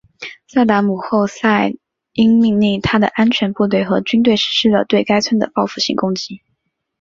萨达姆侯赛因命令他的安全部队和军队实施了对该村的报复性攻击。